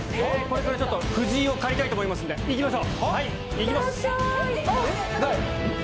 これからちょっと藤井を借りたいと思いますんで、いきましょう。